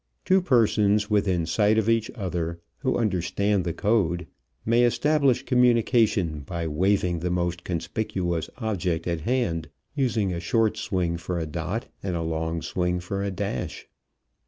Two persons within sight of each other, who understand the code, may establish communication by waving the most conspicuous object at hand, using a short swing for a dot and a long swing for a dash.